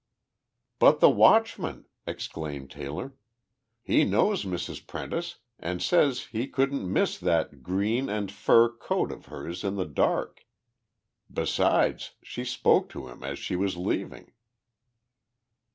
"But the watchman!" exclaimed Taylor. "He knows Mrs. Prentice and says he couldn't miss that green and fur coat of hers in the dark. Besides, she spoke to him as she was leaving."